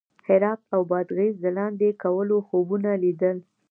هرات او بادغیس د لاندې کولو خوبونه لیدل.